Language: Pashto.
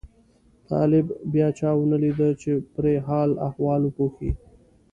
طالب بیا چا ونه لیده چې پرې حال احوال وپوښي.